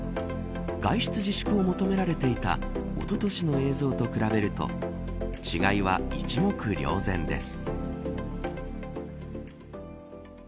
外出自粛を求められていたおととしの映像と比べると違いは一目瞭然です。